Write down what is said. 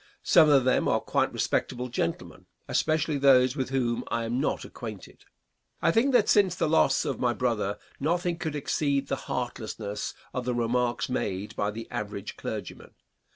Some of them are quite respectable gentlemen, especially those with whom I am not acquainted. I think that since the loss of my brother nothing could exceed the heartlessness of the remarks made by the average clergyman.